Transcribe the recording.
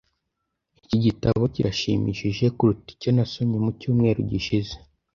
Iki gitabo kirashimishije kuruta icyo nasomye mu cyumweru gishize.